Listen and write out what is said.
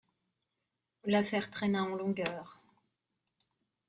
L'affaire traîna en longueur.